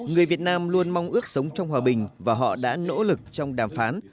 người việt nam luôn mong ước sống trong hòa bình và họ đã nỗ lực trong đàm phán